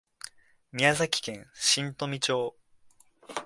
宮崎県新富町